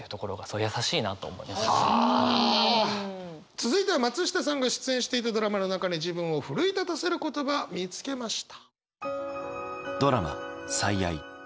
続いては松下さんが出演していたドラマの中に自分を奮い立たせる言葉見つけました。